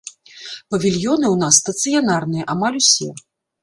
Павільёны ў нас стацыянарныя амаль усё.